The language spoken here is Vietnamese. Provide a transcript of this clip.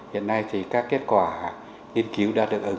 hiện nay thì các kết quả nghiên cứu đã được ứng dụng